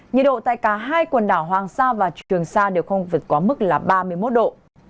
nhiệt độ tại cả hai quần đảo hoàng sa và trường sa đều không vượt quá mức là ba mươi một độ